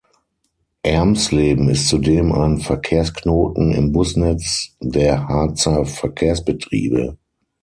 Ermsleben ist zudem ein Verkehrsknoten im Busnetz der Harzer Verkehrsbetriebe.